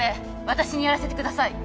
私にやらせてください